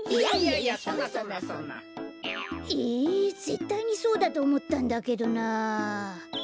ぜったいにそうだとおもったんだけどな！